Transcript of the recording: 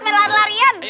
main lari larian